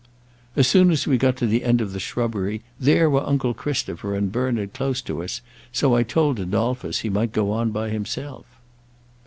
"As soon as we got to the end of the shrubbery there were uncle Christopher and Bernard close to us; so I told Adolphus he might go on by himself."